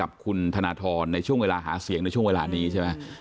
กับคุณธนทรในช่วงเวลาหาเสียงในช่วงเวลานี้ใช่ไหม